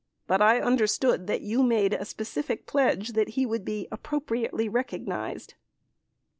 But I under stood that you made a specific pledge that he would be appro priately recognized.